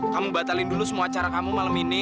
kamu batalin dulu semua acara kamu malam ini